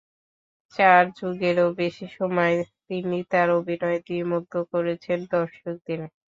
চার যুগেরও বেশি সময় তিনি তাঁর অভিনয় দিয়ে মুগ্ধ করেছেন দর্শকদের।